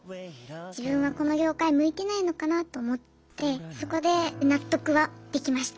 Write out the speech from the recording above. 自分はこの業界向いてないのかなと思ってそこで納得はできました。